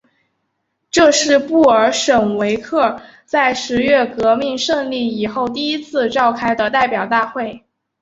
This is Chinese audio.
这是布尔什维克在十月革命胜利以后第一次召开的代表大会。